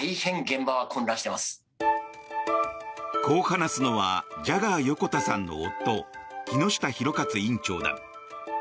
こう話すのはジャガー横田さんの夫木下博勝院長だ。